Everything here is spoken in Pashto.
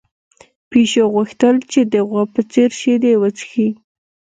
پيشو غوښتل چې د غوا په څېر شیدې وڅښي.